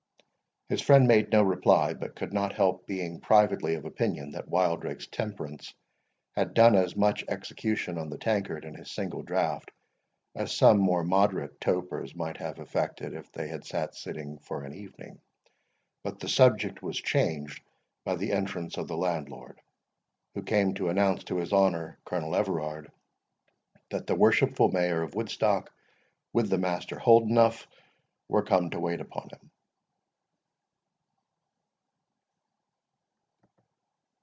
His friend made no reply, but could not help being privately of opinion that Wildrake's temperance had done as much execution on the tankard in his single draught, as some more moderate topers might have effected if they had sat sipping for an evening. But the subject was changed by the entrance of the landlord, who came to announce to his honour Colonel Everard, that the worshipful Mayor of Woodstock, with the Rev. Master Holdenough, were come to wait upon him.